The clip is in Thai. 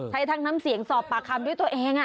ทั้งน้ำเสียงสอบปากคำด้วยตัวเอง